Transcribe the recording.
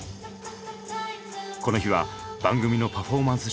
この日は番組のパフォーマンス収録。